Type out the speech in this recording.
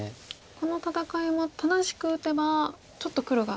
この戦いを正しく打てばちょっと黒が。